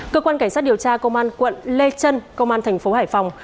cơ quan cảnh sát điều tra công an quận lê trân công an thành phố hải phòng